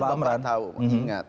kemudian pak pak tahu ingat